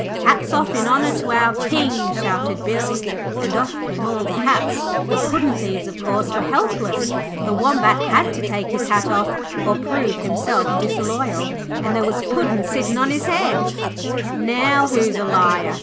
'Hats off in honour to our King,' shouted Bill, and off came all the hats. The puddin' thieves, of course, were helpless. The Wombat had to take his hat off, or prove himself disloyal, and there was Puddin' sitting on his head. 'Now who's a liar?'